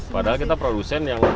padahal kita produsen yang